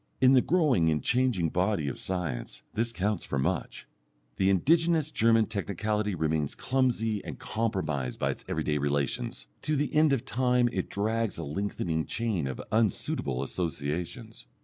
In the growing and changing body of science this counts for much. The indigenous German technicality remains clumsy and compromised by its everyday relations, to the end of time it drags a lengthening chain of unsuitable associations.